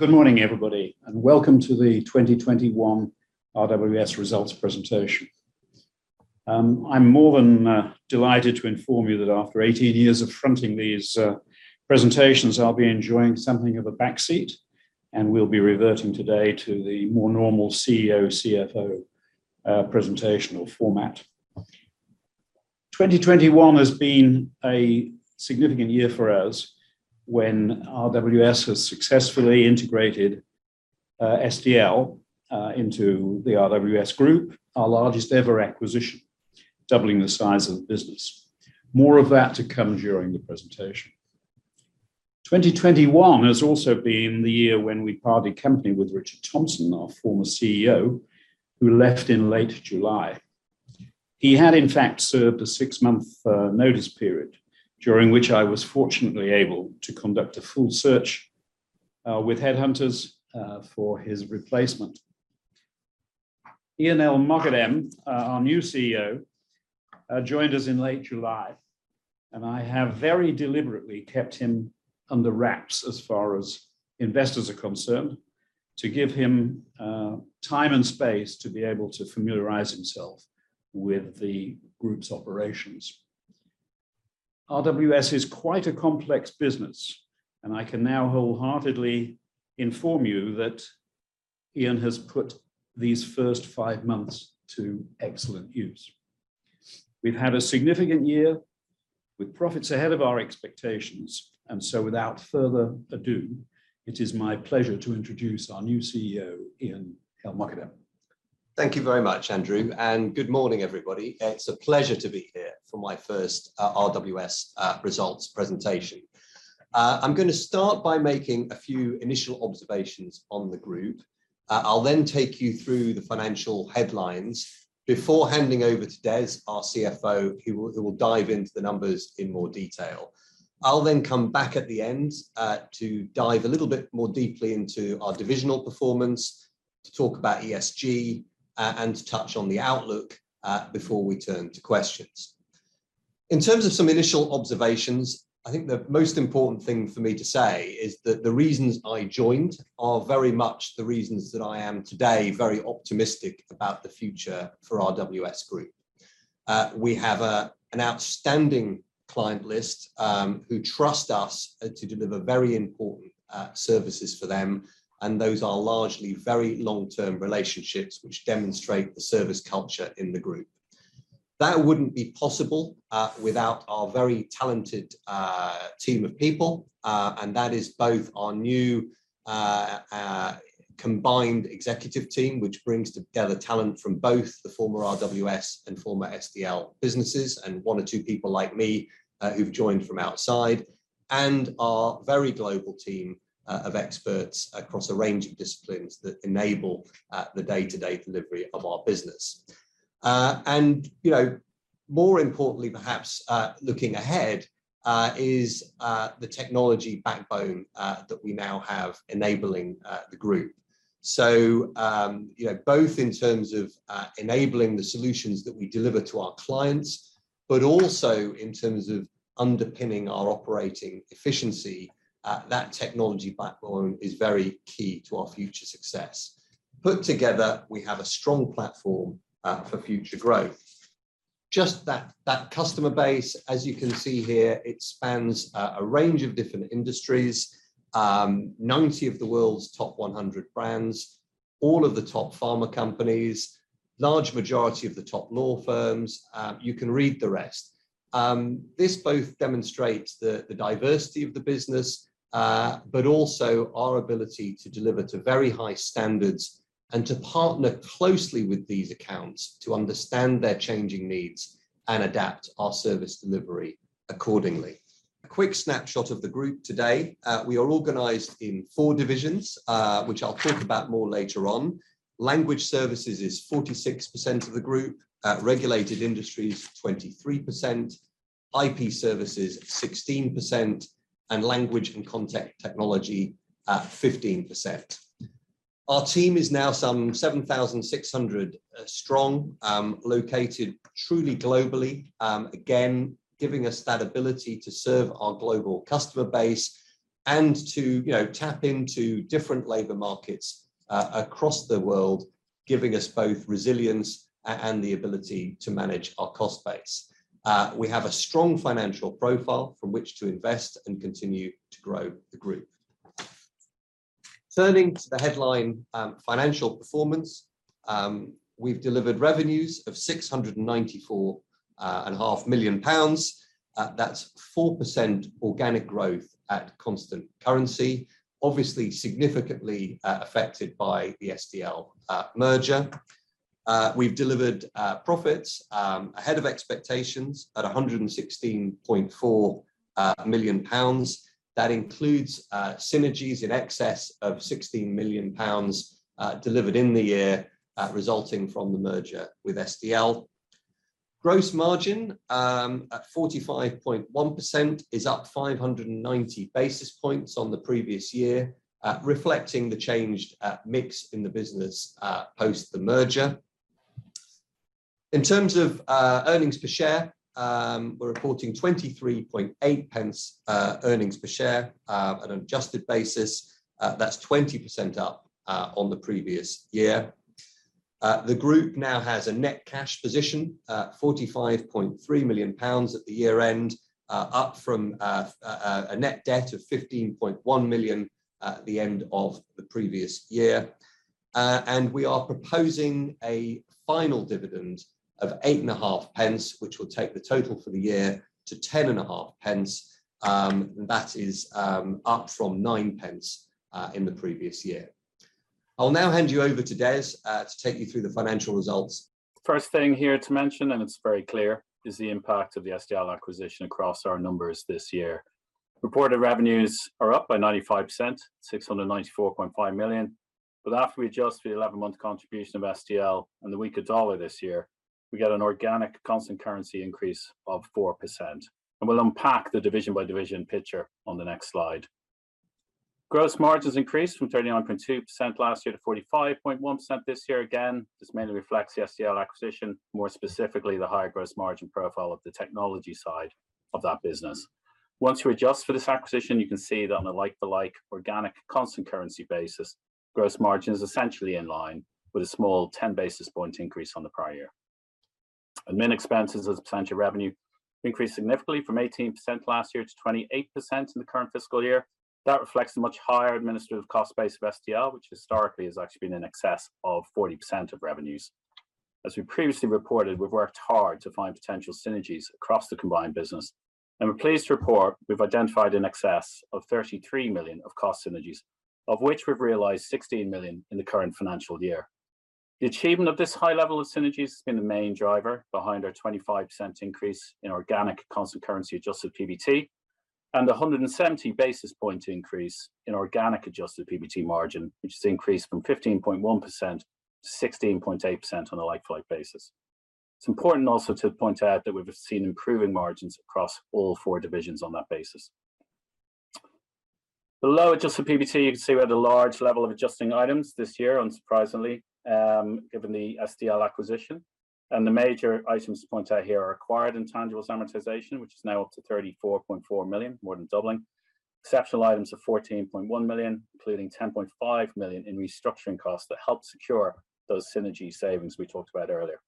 Good morning, everybody, and welcome to the 2021 RWS results presentation. I'm more than delighted to inform you that after 18 years of fronting these presentations, I'll be enjoying something of a back seat, and we'll be reverting today to the more normal CEO, CFO presentational format. 2021 has been a significant year for us when RWS has successfully integrated SDL into the RWS group, our largest ever acquisition, doubling the size of the business. More of that to come during the presentation. 2021 has also been the year when we parted company with Richard Thompson, our former CEO, who left in late July. He had, in fact, served a six-month notice period, during which I was fortunately able to conduct a full search with headhunters for his replacement. Ian El-Mokadem, our new CEO, joined us in late July, and I have very deliberately kept him under wraps as far as investors are concerned to give him, time and space to be able to familiarize himself with the group's operations. RWS is quite a complex business, and I can now wholeheartedly inform you that Ian has put these first five months to excellent use. We've had a significant year with profits ahead of our expectations. Without further ado, it is my pleasure to introduce our new CEO, Ian El-Mokadem. Thank you very much, Andrew, and good morning, everybody. It's a pleasure to be here for my first RWS results presentation. I'm gonna start by making a few initial observations on the group. I'll then take you through the financial headlines before handing over to Des, our CFO, who will dive into the numbers in more detail. I'll then come back at the end to dive a little bit more deeply into our divisional performance, to talk about ESG and to touch on the outlook before we turn to questions. In terms of some initial observations, I think the most important thing for me to say is that the reasons I joined are very much the reasons that I am today very optimistic about the future for RWS Group. We have an outstanding client list who trust us to deliver very important services for them, and those are largely very long-term relationships which demonstrate the service culture in the group. That wouldn't be possible without our very talented team of people, and that is both our new combined executive team, which brings together talent from both the former RWS and former SDL businesses and one or two people like me who've joined from outside and our very global team of experts across a range of disciplines that enable the day-to-day delivery of our business. You know, more importantly perhaps, looking ahead is the technology backbone that we now have enabling the group. You know, both in terms of enabling the solutions that we deliver to our clients, but also in terms of underpinning our operating efficiency, that technology backbone is very key to our future success. Put together, we have a strong platform for future growth. Just that customer base, as you can see here, it spans a range of different industries. 90 of the world's top 100 brands, all of the top pharma companies, large majority of the top law firms. You can read the rest. This both demonstrates the diversity of the business, but also our ability to deliver to very high standards and to partner closely with these accounts to understand their changing needs and adapt our service delivery accordingly. A quick snapshot of the Group today. We are organized in four divisions, which I'll talk about more later on. Language Services is 46% of the group. Regulated Industries, 23%. IP Services, 16%. Language and Content Technology at 15%. Our team is now some 7,600 strong, located truly globally, again, giving us that ability to serve our global customer base and to, you know, tap into different labor markets across the world, giving us both resilience and the ability to manage our cost base. We have a strong financial profile from which to invest and continue to grow the group. Turning to the headline financial performance, we've delivered revenues of 694.5 million pounds. That's 4% organic growth at constant currency, obviously significantly affected by the SDL merger. We've delivered profits ahead of expectations at 116.4 million pounds. That includes synergies in excess of 16 million pounds delivered in the year resulting from the merger with SDL. Gross margin at 45.1% is up 590 basis points on the previous year, reflecting the changed mix in the business post the merger. In terms of earnings per share, we're reporting 0.238 earnings per share. On an adjusted basis, that's 20% up on the previous year. The group now has a net cash position of 45.3 million pounds at the year-end, up from a net debt of 15.1 million at the end of the previous year. We are proposing a final dividend of 0.085, which will take the total for the year to 0.105. That is up from 0.9 in the previous year. I'll now hand you over to Des to take you through the financial results. First thing here to mention, and it's very clear, is the impact of the SDL acquisition across our numbers this year. Reported revenues are up by 95%, 694.5 million. After we adjust for the 11-month contribution of SDL and the weaker dollar this year, we get an organic constant currency increase of 4%. We'll unpack the division by division picture on the next slide. Gross margins increased from 31.2% last year to 45.1% this year. Again, this mainly reflects the SDL acquisition, more specifically the higher gross margin profile of the technology side of that business. Once you adjust for this acquisition, you can see that on a like-for-like organic constant currency basis, gross margin is essentially in line with a small 10 basis point increase on the prior year. Admin expenses as a percentage of revenue increased significantly from 18% last year to 28% in the current fiscal year. That reflects the much higher administrative cost base of SDL, which historically has actually been in excess of 40% of revenues. As we previously reported, we've worked hard to find potential synergies across the combined business, and we're pleased to report we've identified in excess of 33 million of cost synergies, of which we've realized 16 million in the current financial year. The achievement of this high level of synergies has been the main driver behind our 25% increase in organic constant currency adjusted PBT and a 170 basis points increase in organic adjusted PBT margin, which has increased from 15.1%-16.8% on a like-for-like basis. It's important also to point out that we've seen improving margins across all four divisions on that basis. Below adjusted PBT, you can see we had a large level of adjusting items this year, unsurprisingly, given the SDL acquisition. The major items to point out here are acquired intangible amortization, which is now up to 34.4 million, more than doubling. Exceptional items of 14.1 million, including 10.5 million in restructuring costs that helped secure those synergy savings we talked about earlier.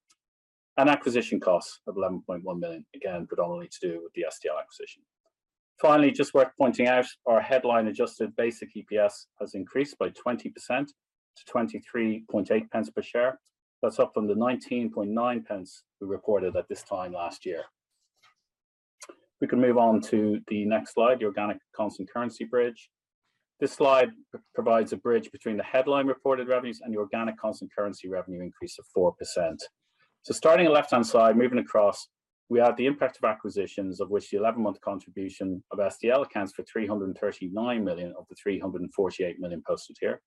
Acquisition costs of 11.1 million, again predominantly to do with the SDL acquisition. Finally, just worth pointing out, our headline adjusted basic EPS has increased by 20% to 23.8 pence per share. That's up from the 19.9 pence we reported at this time last year. We can move on to the next slide, the organic constant currency bridge. This slide provides a bridge between the headline reported revenues and the organic constant currency revenue increase of 4%. Starting at left-hand side, moving across, we have the impact of acquisitions, of which the 11-month contribution of SDL accounts for 339 million of the 348 million posted here.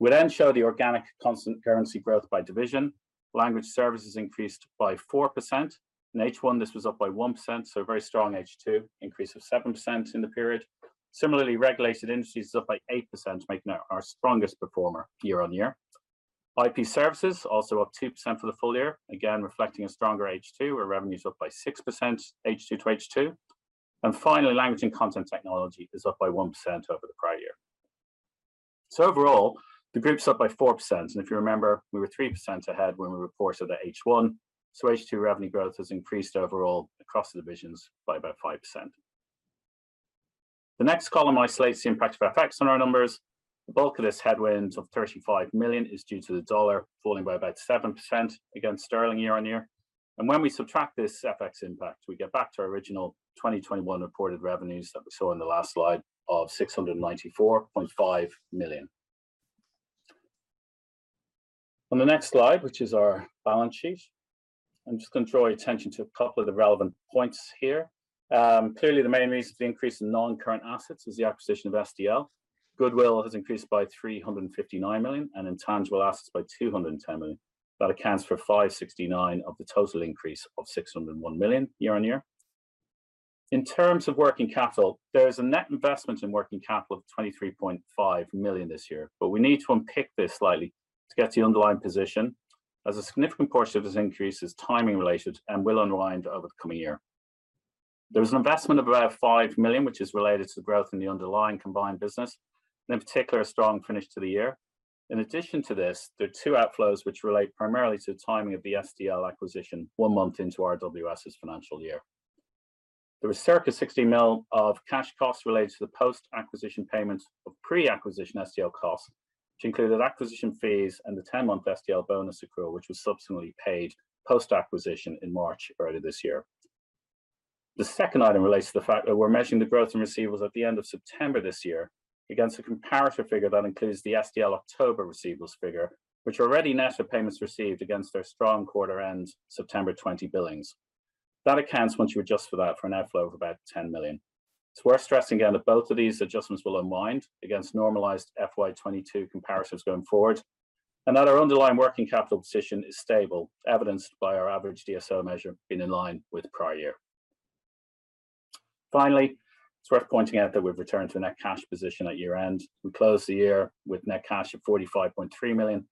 We then show the organic constant currency growth by division. Language Services increased by 4%. In H1 this was up by 1%, so a very strong H2 increase of 7% in the period. Similarly, Regulated Industries is up by 8%, making it our strongest performer year-on-year. IP Services also up 2% for the full year, again reflecting a stronger H2, where revenue is up by 6% H2 to H2. Finally, Language and Content Technology is up by 1% over the prior year. Overall, the Group's up by 4%. If you remember, we were 3% ahead when we reported at H1. H2 revenue growth has increased overall across the divisions by about 5%. The next column isolates the impact of FX on our numbers. The bulk of this headwind of 35 million is due to the dollar falling by about 7% against sterling year-on-year. When we subtract this FX impact, we get back to our original 2021 reported revenues that we saw in the last slide of 694.5 million. On the next slide, which is our balance sheet, I'm just going to draw your attention to a couple of the relevant points here. Clearly the main reason for the increase in non-current assets is the acquisition of SDL. Goodwill has increased by 359 million and intangible assets by 210 million. That accounts for 569 of the total increase of 601 million year-over-year. In terms of working capital, there is a net investment in working capital of 23.5 million this year. We need to unpick this slightly to get to the underlying position as a significant portion of this increase is timing related and will unwind over the coming year. There is an investment of about 5 million, which is related to the growth in the underlying combined business, and in particular, a strong finish to the year. In addition to this, there are two outflows which relate primarily to the timing of the SDL acquisition one month into RWS's financial year. There was circa 60 mil of cash costs related to the post-acquisition payments of pre-acquisition SDL costs, which included acquisition fees and the 10-month SDL bonus accrual, which was subsequently paid post-acquisition in March earlier this year. The second item relates to the fact that we're measuring the growth in receivables at the end of September this year against a comparator figure that includes the SDL October receivables figure, which already net of payments received against our strong quarter-end September 2020 billings. That accounts, once you adjust for that, for an outflow of about 10 million. It's worth stressing again that both of these adjustments will unwind against normalized FY 2022 comparators going forward, and that our underlying working capital position is stable, evidenced by our average DSO measure being in line with prior year. Finally, it's worth pointing out that we've returned to a net cash position at year-end. We closed the year with net cash of 45.3 million,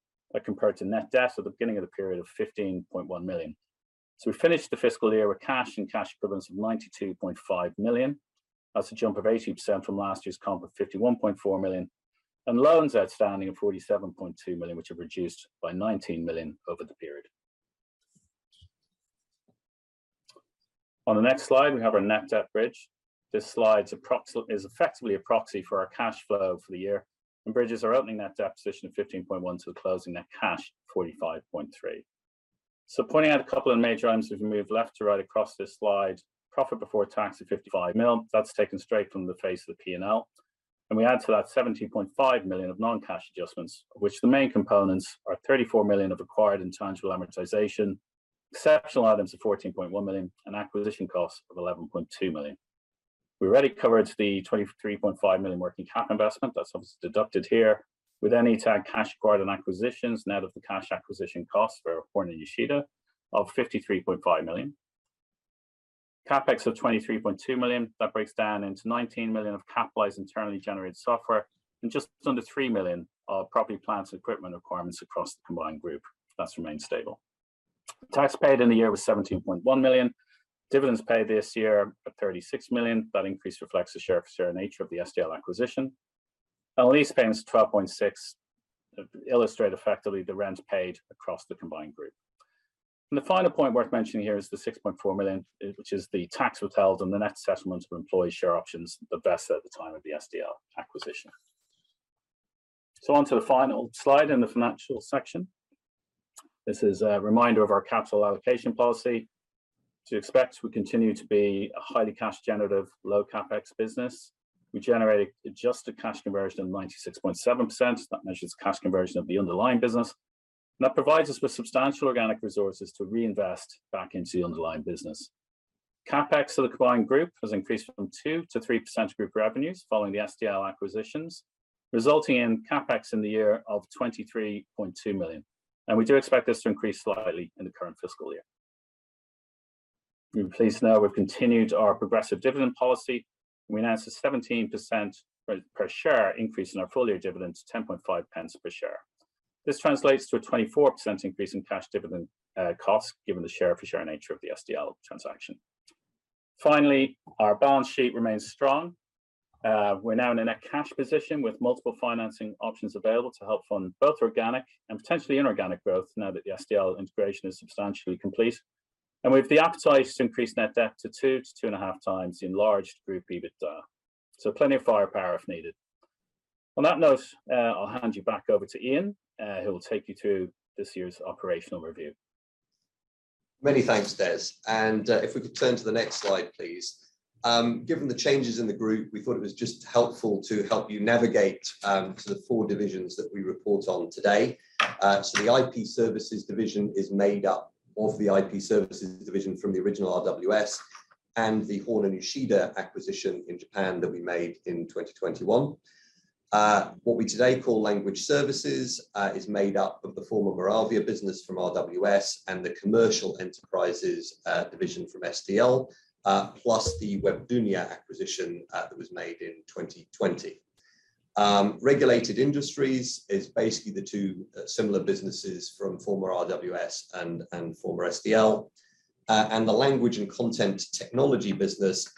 compared to net debt at the beginning of the period of 15.1 million. We finished the fiscal year with cash and cash equivalents of 92.5 million. That's a jump of 80% from last year's comp of 51.4 million. Loans outstanding of 47.2 million, which have reduced by 19 million over the period. On the next slide, we have our net debt bridge. This slide is effectively a proxy for our cash flow for the year, and bridges our opening net debt position of 15.1 to a closing net cash of 45.3. Pointing out a couple of major items as we move left to right across this slide. Profit before tax of 55 million, that's taken straight from the face of the P&L. We add to that 17.5 million of non-cash adjustments, which the main components are 34 million of acquired intangible amortization, exceptional items of 14.1 million, and acquisition costs of 11.2 million. We already covered the 23.5 million working capital investment. That sum is deducted here with any cash acquired and acquisitions net of the cash acquisition costs for Horn & Uchida of 53.5 million. CapEx of 23.2 million. That breaks down into 19 million of capitalized internally generated software and just under 3 million of property, plant, and equipment requirements across the combined group. That's remained stable. Tax paid in the year was 17.1 million. Dividends paid this year of 36 million. That increase reflects the share for share nature of the SDL acquisition. Lease payments of 12.6 illustrate effectively the rent paid across the combined group. The final point worth mentioning here is the 6.4 million, which is the tax withheld and the net settlements of employee share options that vest at the time of the SDL acquisition. Onto the final slide in the financial section. This is a reminder of our capital allocation policy. As you expect, we continue to be a highly cash generative, low CapEx business. We generate adjusted cash conversion of 96.7%. That measures cash conversion of the underlying business, and that provides us with substantial organic resources to reinvest back into the underlying business. CapEx of the combined group has increased from 2%-3% of group revenues following the SDL acquisitions, resulting in CapEx in the year of 23.2 million, and we do expect this to increase slightly in the current fiscal year. You'll be pleased to know we've continued our progressive dividend policy, and we announced a 17% per share increase in our full-year dividend to 0.105 per share. This translates to a 24% increase in cash dividend cost, given the share for share nature of the SDL transaction. Finally, our balance sheet remains strong. We're now in a net cash position with multiple financing options available to help fund both organic and potentially inorganic growth now that the SDL integration is substantially complete. We have the appetite to increase net debt to 2x-2.5x the enlarged group EBITDA. Plenty of firepower if needed. On that note, I'll hand you back over to Ian, who will take you through this year's operational review. Many thanks, Des. If we could turn to the next slide, please. Given the changes in the group, we thought it was just helpful to help you navigate to the four divisions that we report on today. The IP Services division is made up of the IP Services division from the original RWS and the Horn & Uchida acquisition in Japan that we made in 2021. What we today call Language Services is made up of the former Moravia business from RWS and the Commercial Enterprises division from SDL, plus the Webdunia acquisition that was made in 2020. Regulated Industries is basically the two similar businesses from former RWS and former SDL. The Language and Content Technology business,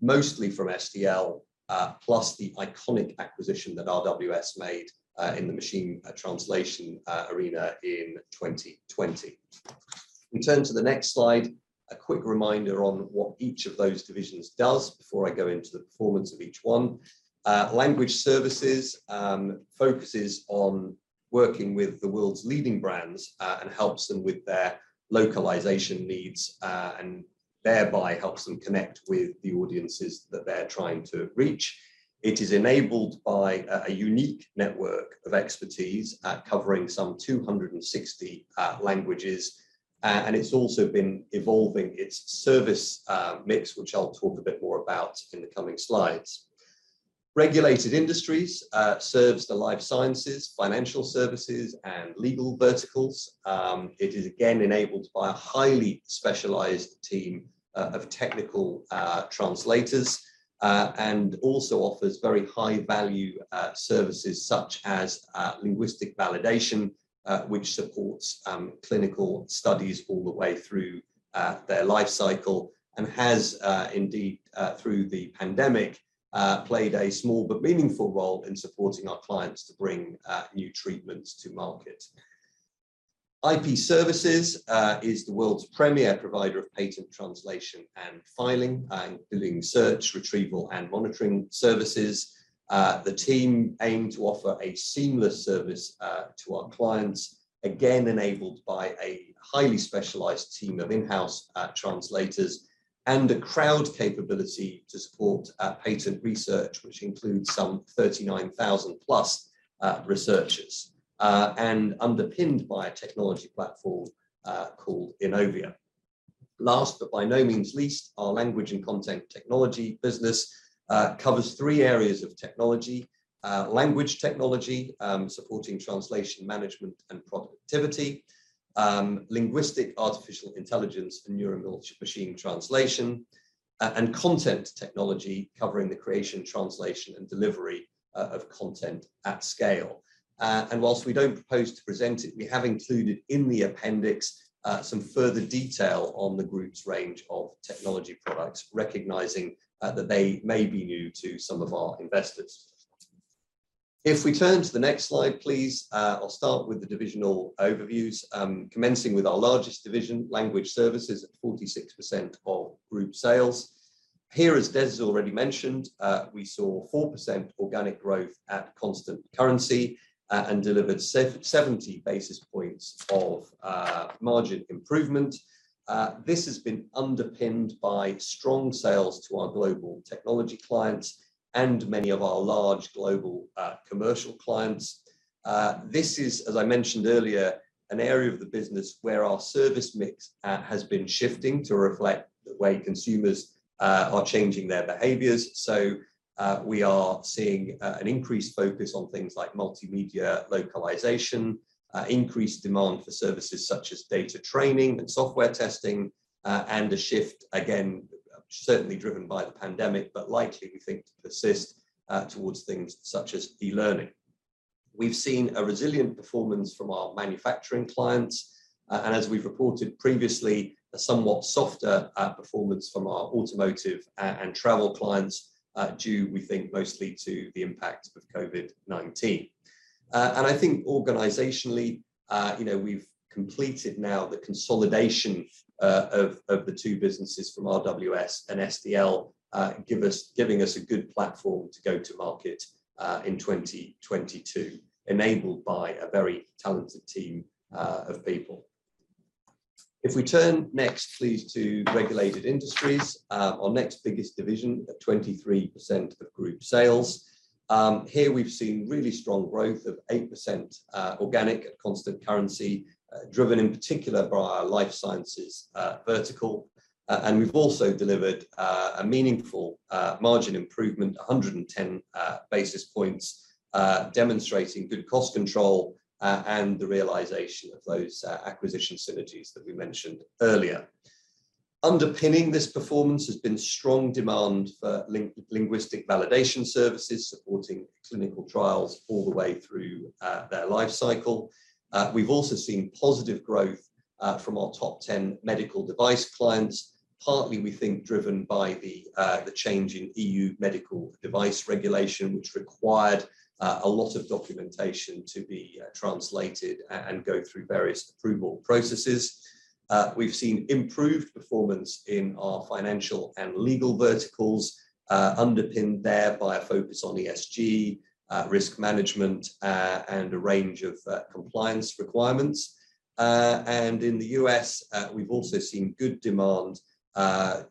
mostly from SDL, plus the Iconic acquisition that RWS made, in the machine translation arena in 2020. If we turn to the next slide, a quick reminder on what each of those divisions does before I go into the performance of each one. Language Services focuses on working with the world's leading brands, and helps them with their localization needs, and thereby helps them connect with the audiences that they're trying to reach. It is enabled by a unique network of expertise at covering some 260 languages. It's also been evolving its service mix, which I'll talk a bit more about in the coming slides. Regulated Industries serves the life sciences, financial services, and legal verticals. It is again enabled by a highly specialized team of technical translators and also offers very high value services such as linguistic validation which supports clinical studies all the way through their life cycle and has indeed through the pandemic played a small but meaningful role in supporting our clients to bring new treatments to market. IP Services is the world's premier provider of patent translation and filing, including search, retrieval, and monitoring services. The team aim to offer a seamless service to our clients, again enabled by a highly specialized team of in-house translators and a crowd capability to support patent research, which includes some 39,000+ researchers and underpinned by a technology platform called inovia. Last, but by no means least, our Language and Content Technology business covers three areas of technology. Language technology supporting translation management and productivity, linguistic artificial intelligence and neural machine translation, and content technology covering the creation, translation, and delivery of content at scale. While we don't propose to present it, we have included in the appendix some further detail on the group's range of technology products, recognizing that they may be new to some of our investors. If we turn to the next slide, please, I'll start with the divisional overviews, commencing with our largest division, Language Services at 46% of group sales. Here, as Des has already mentioned, we saw 4% organic growth at constant currency, and delivered seventy basis points of margin improvement. This has been underpinned by strong sales to our global technology clients and many of our large global commercial clients. This is, as I mentioned earlier, an area of the business where our service mix has been shifting to reflect the way consumers are changing their behaviors. We are seeing an increased focus on things like multimedia localization, increased demand for services such as data training and software testing, and a shift again, certainly driven by the pandemic, but likely we think to persist towards things such as e-learning. We've seen a resilient performance from our manufacturing clients, and as we've reported previously, a somewhat softer performance from our automotive and travel clients, due, we think, mostly to the impact of COVID-19. I think organizationally, you know, we've completed now the consolidation of the two businesses from RWS and SDL, giving us a good platform to go to market in 2022, enabled by a very talented team of people. If we turn next please to Regulated Industries, our next biggest division at 23% of group sales. Here we've seen really strong growth of 8% organic at constant currency, driven in particular by our life sciences vertical. We've also delivered a meaningful margin improvement, 110 basis points, demonstrating good cost control and the realization of those acquisition synergies that we mentioned earlier. Underpinning this performance has been strong demand for linguistic validation services supporting clinical trials all the way through their life cycle. We've also seen positive growth from our top 10 medical device clients, partly, we think, driven by the change in EU Medical Device Regulation, which required a lot of documentation to be translated and go through various approval processes. We've seen improved performance in our financial and legal verticals, underpinned there by a focus on ESG risk management and a range of compliance requirements. In the U.S., we've also seen good demand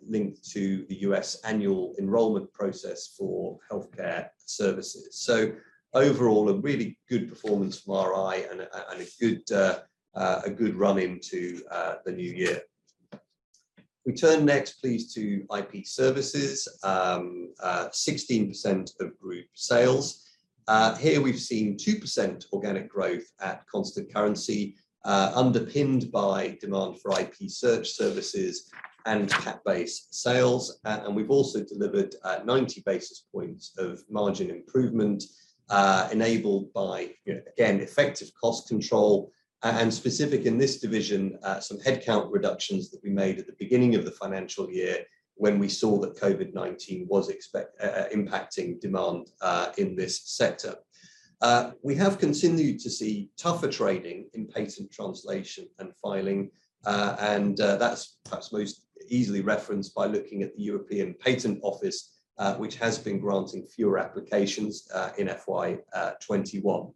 linked to the U.S. annual enrollment process for healthcare services. Overall, a really good performance from RI and a good run into the new year. If we turn next please to IP Services, 16% of group sales. Here we've seen 2% organic growth at constant currency, underpinned by demand for IP search services and patent-based sales. We've also delivered 90 basis points of margin improvement, enabled by, you know, again, effective cost control and specifically in this division, some headcount reductions that we made at the beginning of the financial year when we saw that COVID-19 was impacting demand in this sector. We have continued to see tougher trading in patent translation and filing, and that's perhaps most easily referenced by looking at the European Patent Office, which has been granting fewer applications in FY 2021.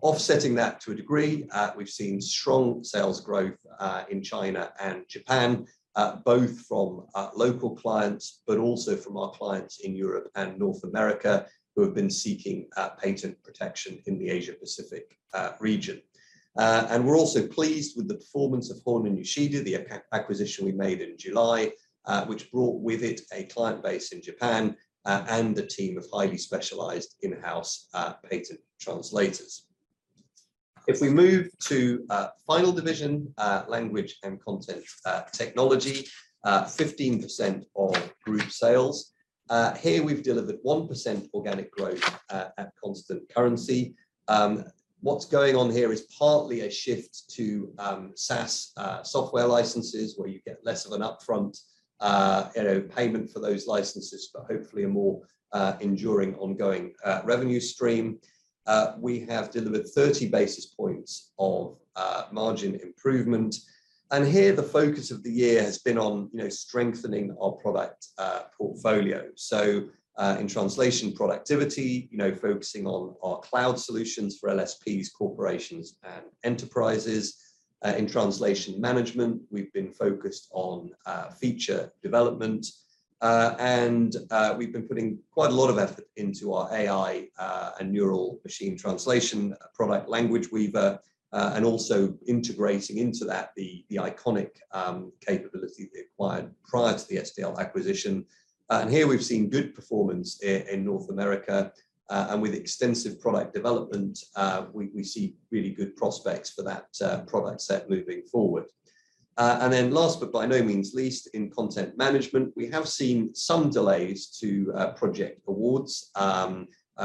Offsetting that to a degree, we've seen strong sales growth in China and Japan, both from local clients, but also from our clients in Europe and North America who have been seeking patent protection in the Asia Pacific region. We're also pleased with the performance of Horn & Uchida, the acquisition we made in July, which brought with it a client base in Japan and a team of highly specialized in-house patent translators. If we move to our final division, Language and Content Technology, 15% of group sales. Here we've delivered 1% organic growth at constant currency. What's going on here is partly a shift to SaaS software licenses, where you get less of an upfront, you know, payment for those licenses, but hopefully a more enduring, ongoing revenue stream. We have delivered 30 basis points of margin improvement. Here the focus of the year has been on, you know, strengthening our product portfolio. In translation productivity, you know, focusing on our cloud solutions for LSPs, corporations and enterprises. In translation management, we've been focused on feature development, and we've been putting quite a lot of effort into our AI and neural machine translation product, Language Weaver, and also integrating into that the Iconic capability they acquired prior to the SDL acquisition. Here we've seen good performance in North America, and with extensive product development, we see really good prospects for that product set moving forward. Last but by no means least, in content management, we have seen some delays to project awards,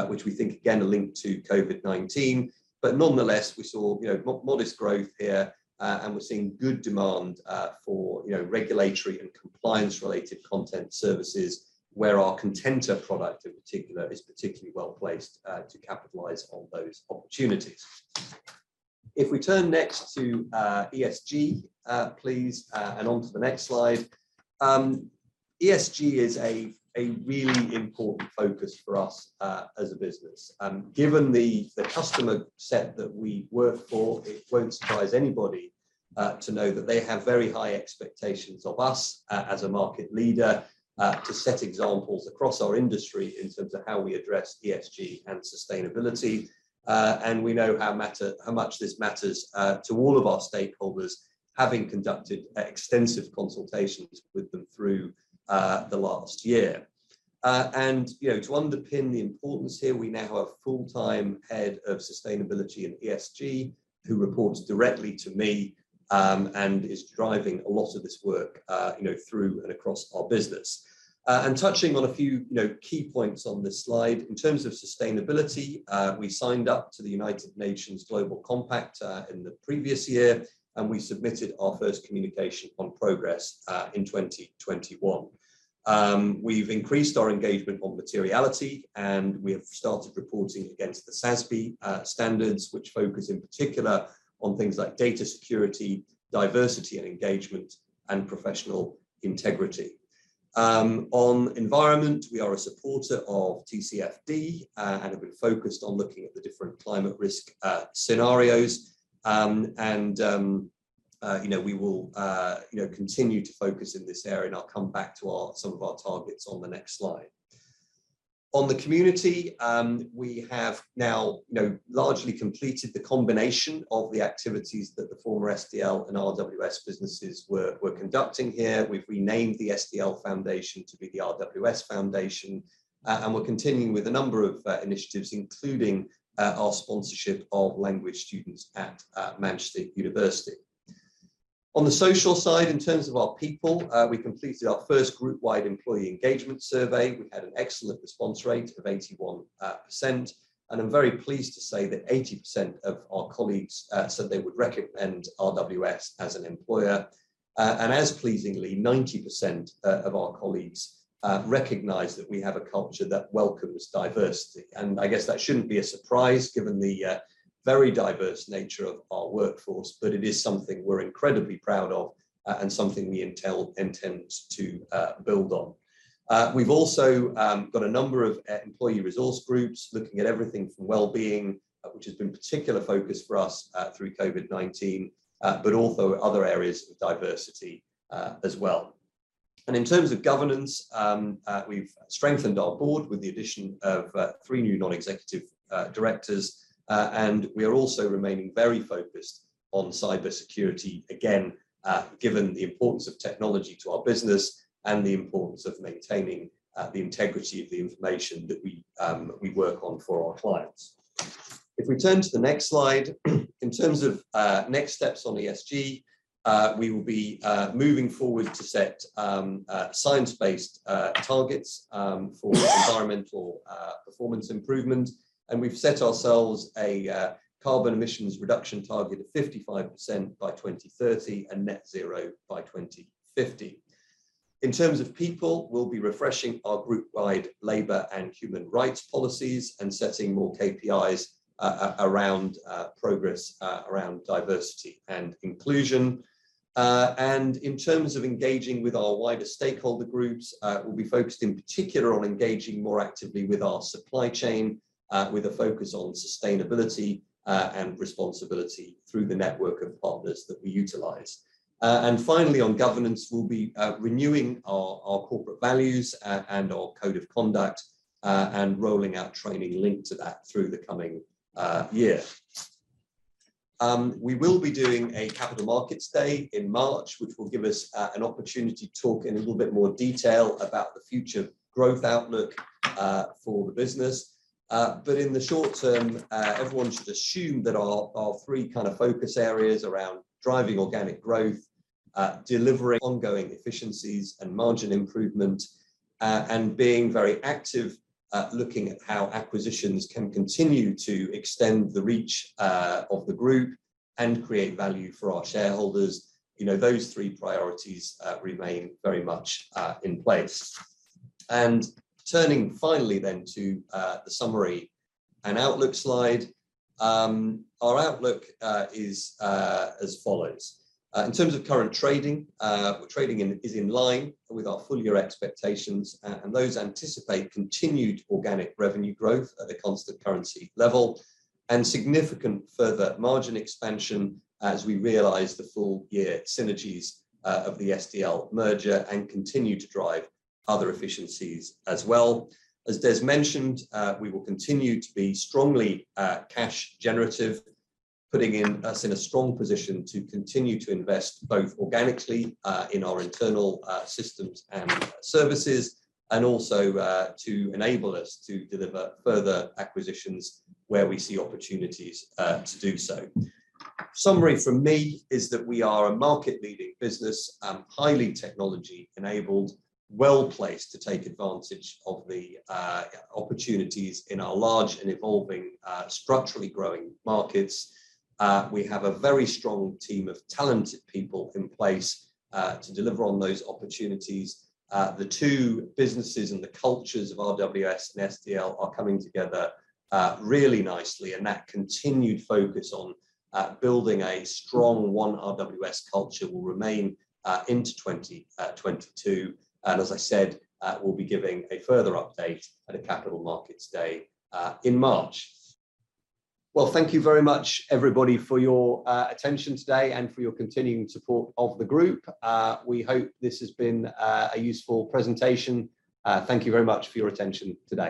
which we think again are linked to COVID-19. Nonetheless, we saw, you know, modest growth here, and we're seeing good demand for, you know, regulatory and compliance related content services where our Contenta product in particular is particularly well-placed to capitalize on those opportunities. If we turn next to ESG, please, and onto the next slide. ESG is a really important focus for us as a business. Given the customer set that we work for, it won't surprise anybody to know that they have very high expectations of us as a market leader to set examples across our industry in terms of how we address ESG and sustainability. We know how much this matters to all of our stakeholders, having conducted extensive consultations with them through the last year. You know, to underpin the importance here, we now have full-time head of sustainability and ESG who reports directly to me and is driving a lot of this work, you know, through and across our business. Touching on a few, you know, key points on this slide. In terms of sustainability, we signed up to the United Nations Global Compact in the previous year, and we submitted our first communication on progress in 2021. We've increased our engagement on materiality, and we have started reporting against the SASB standards which focus in particular on things like data security, diversity and engagement, and professional integrity. On environment, we are a supporter of TCFD, and have been focused on looking at the different climate risk scenarios. You know, we will, you know, continue to focus in this area, and I'll come back to some of our targets on the next slide. On the community, we have now, you know, largely completed the combination of the activities that the former SDL and RWS businesses were conducting here. We've renamed the SDL Foundation to be the RWS Foundation, and we're continuing with a number of initiatives, including our sponsorship of language students at University of Manchester. On the social side, in terms of our people, we completed our first group wide employee engagement survey. We had an excellent response rate of 81%, and I'm very pleased to say that 80% of our colleagues said they would recommend RWS as an employer. As pleasingly, 90% of our colleagues recognize that we have a culture that welcomes diversity. I guess that shouldn't be a surprise given the very diverse nature of our workforce, but it is something we're incredibly proud of, and something we intend to build on. We've also got a number of employee resource groups looking at everything from wellbeing, which has been particular focus for us through COVID-19, but also other areas of diversity, as well. In terms of governance, we've strengthened our board with the addition of three new non-executive directors. We are also remaining very focused on cybersecurity, again, given the importance of technology to our business and the importance of maintaining the integrity of the information that we work on for our clients. If we turn to the next slide, in terms of next steps on ESG, we will be moving forward to set science-based targets for environmental performance improvement. We've set ourselves a carbon emissions reduction target of 55% by 2030, and net zero by 2050. In terms of people, we'll be refreshing our group-wide labor and human rights policies and setting more KPIs around progress around diversity and inclusion. In terms of engaging with our wider stakeholder groups, we'll be focused in particular on engaging more actively with our supply chain, with a focus on sustainability, and responsibility through the network of partners that we utilize. Finally, on governance, we'll be renewing our corporate values and our code of conduct, and rolling out training linked to that through the coming year. We will be doing a capital markets day in March, which will give us an opportunity to talk in a little bit more detail about the future growth outlook for the business. In the short term, everyone should assume that our three kind of focus areas around driving organic growth, delivering ongoing efficiencies and margin improvement, and being very active at looking at how acquisitions can continue to extend the reach of the group and create value for our shareholders. You know, those three priorities remain very much in place. Turning finally then to the summary and outlook slide. Our outlook is as follows. In terms of current trading is in line with our full year expectations, and those anticipate continued organic revenue growth at the constant currency level and significant further margin expansion as we realize the full year synergies of the SDL merger and continue to drive other efficiencies as well. As Des mentioned, we will continue to be strongly cash generative, putting us in a strong position to continue to invest both organically in our internal systems and services, and also to enable us to deliver further acquisitions where we see opportunities to do so. Summary from me is that we are a market leading business and highly technology enabled, well-placed to take advantage of the opportunities in our large and evolving structurally growing markets. We have a very strong team of talented people in place to deliver on those opportunities. The two businesses and the cultures of RWS and SDL are coming together really nicely, and that continued focus on building a strong one RWS culture will remain into 2022. As I said, we'll be giving a further update at a capital markets day in March. Well, thank you very much everybody, for your attention today and for your continuing support of the group. We hope this has been a useful presentation. Thank you very much for your attention today.